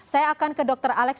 saya akan ke dr alex